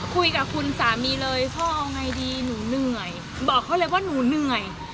คุยกับคุณสามีเลยพ่อเอาไงดีหนูเหนื่อยบอกเขาเลยว่าหนูเหนื่อย